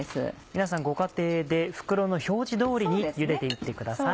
皆さんご家庭で袋の表示通りにゆでて行ってください。